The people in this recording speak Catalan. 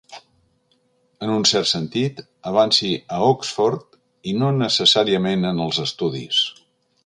En un cert sentit, avanci a Oxford i no necessàriament en els estudis.